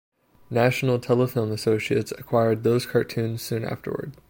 National Telefilm Associates acquired those cartoons soon afterward.